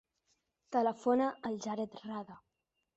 Telefona al Jared Rada.